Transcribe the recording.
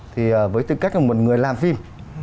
thì với tư cách là một người làm phim